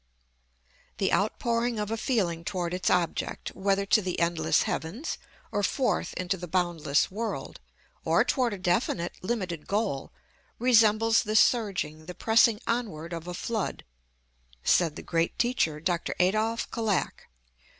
"The outpouring of a feeling toward its object, whether to the endless heavens, or forth into the boundless world, or toward a definite, limited goal, resembles the surging, the pressing onward of a flood," said the great teacher, Dr. Adolph Kullak.